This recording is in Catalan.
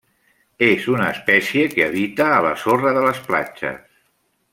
És una espècie que habita a la sorra de les platges.